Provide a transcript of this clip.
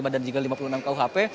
dan juga lima puluh enam kuhp